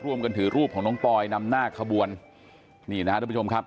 ถือรูปของน้องปอยนำหน้าขบวนนี่นะครับทุกผู้ชมครับ